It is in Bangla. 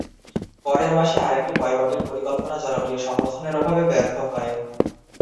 পরের মাসে আরেকটি বয়কটের পরিকল্পনা জনপ্রিয় সমর্থনের অভাবে ব্যর্থ হয়।